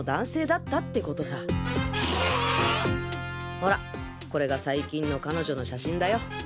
ほらこれが最近の彼女の写真だよ。